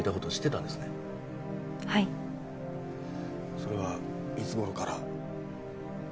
それはいつ頃から？